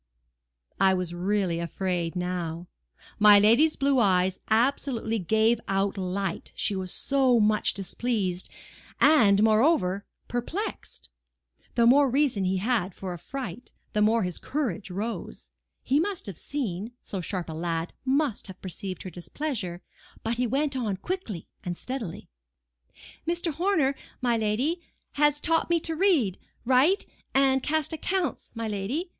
I was really afraid now. My lady's blue eyes absolutely gave out light, she was so much displeased, and, moreover, perplexed. The more reason he had for affright, the more his courage rose. He must have seen,—so sharp a lad must have perceived her displeasure; but he went on quickly and steadily. "Mr. Horner, my lady, has taught me to read, write, and cast accounts, my lady.